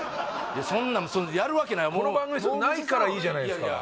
そんなんやるわけないこの番組それないからいいじゃないですか